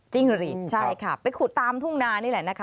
รีดใช่ค่ะไปขุดตามทุ่งนานี่แหละนะคะ